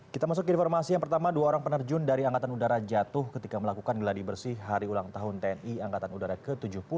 kita masuk ke informasi yang pertama dua orang penerjun dari angkatan udara jatuh ketika melakukan geladi bersih hari ulang tahun tni angkatan udara ke tujuh puluh